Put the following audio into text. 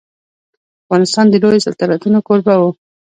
افغانستان د لويو سلطنتونو کوربه و.